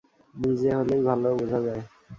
নিজে হলেই ভালো বোঝা যায়।